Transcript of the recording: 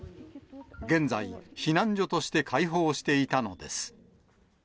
現在、避難所として開放していたのです。